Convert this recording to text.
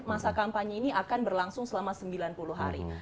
masa kampanye ini akan berlangsung selama sembilan puluh hari